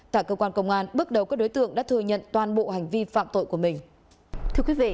tại cơ quan công an bước đầu các đối tượng đã thừa nhận toàn bộ hành vi phạm tội của mình